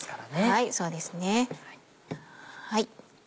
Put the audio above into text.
はいそうですね。